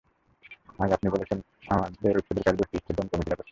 আগে আপনি বলছিলেন, আমাদের উচ্ছেদের কাজ বস্তি উচ্ছেদন কমিটিরা করছে।